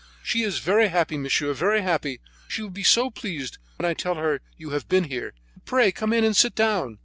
she is very happy, monsieur, very happy. She will be so pleased when I tell her you have been here. But pray come in and sit down.